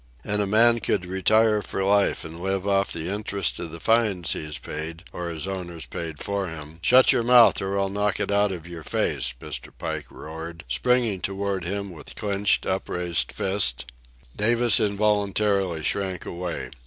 An' a man could retire for life an live off the interest of the fines he's paid, or his owners paid for him—" "Shut your mouth or I'll knock it out of your face!" Mr. Pike roared, springing toward him with clenched, up raised fist. Davis involuntarily shrank away.